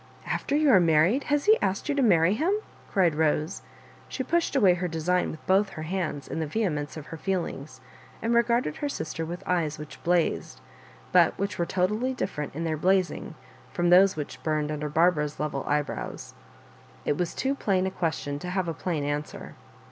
" After you are married I has he ask^ you to marry him ?" cried Bose. She pushed away her design with both her hands in the vehemence of her feelings, and regarded her sister with eyes which blazed, but which were totally different in their blazing fi om those which burned under Barbara's level eyebrows. It was too plain a question to have a plain answer.